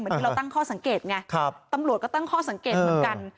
ที่เราตั้งข้อสังเกตไงตำรวจก็ตั้งข้อสังเกตเหมือนกัน